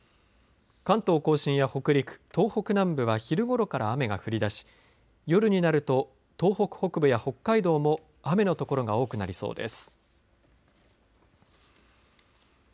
関東甲信や北陸東北南部は昼ごろから雨が降り出し夜になると東北北部や北海道も雨の所が多くなりそうです。